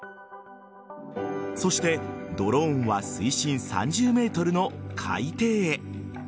そして、ドローンは水深３０ｍの海底へ。